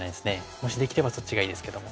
もしできればそっちがいいですけども。